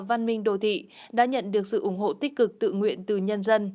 công an phường điển hình kiểu mẫu đã nhận được sự ủng hộ tích cực tự nguyện từ nhân dân